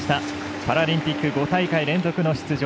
パラリンピック５大会連続の出場。